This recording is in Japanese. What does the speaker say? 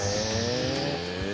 へえ。